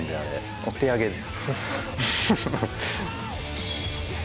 お手上げです。